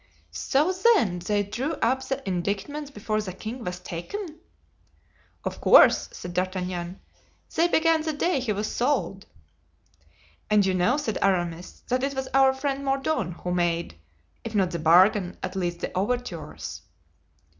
"So, then, they drew up the indictments before the king was taken?" "Of course," said D'Artagnan; "they began the day he was sold." "And you know," said Aramis, "that it was our friend Mordaunt who made, if not the bargain, at least the overtures."